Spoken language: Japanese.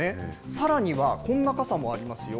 さらには、こんな傘もありますよ。